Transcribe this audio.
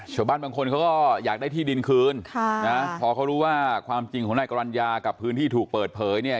ชาวบ้านบางคนเขาก็อยากได้ที่ดินคืนค่ะนะพอเขารู้ว่าความจริงของนายกรรณญากับพื้นที่ถูกเปิดเผยเนี่ย